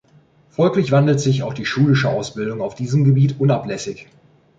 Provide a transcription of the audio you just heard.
Folglich wandelt sich auch die schulische Ausbildung auf diesem Gebiet unablässig.